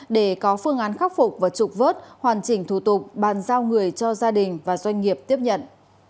để có phương án khắc phục và trục vớt hoàn chỉnh thủ tục bàn giao người cho gia đình và doanh nghiệp tiếp nhận